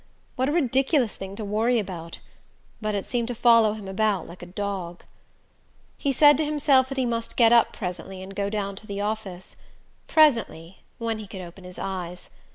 What a ridiculous thing to worry about but it seemed to follow him about like a dog... He said to himself that he must get up presently and go down to the office. Presently when he could open his eyes.